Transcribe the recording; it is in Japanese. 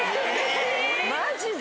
マジで！？